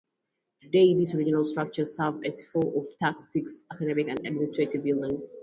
Today, these original structures serve as four of Tuck's six academic and administrative buildings.